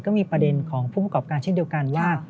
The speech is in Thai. ก็มีประเด็นของผู้ประกอบการเช่นเดียวกันว่า